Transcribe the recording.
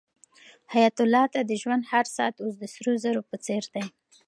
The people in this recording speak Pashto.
حیات الله ته د ژوند هر ساعت اوس د سرو زرو په څېر دی.